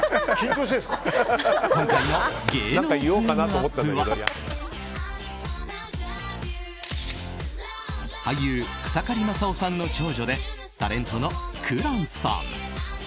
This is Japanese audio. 今回の芸能ズームＵＰ！は俳優・草刈正雄さんの長女でタレントの紅蘭さん。